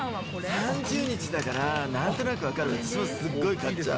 ３０日だから何となく分かるそうすごい買っちゃう。